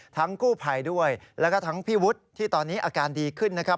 กู้ภัยด้วยแล้วก็ทั้งพี่วุฒิที่ตอนนี้อาการดีขึ้นนะครับ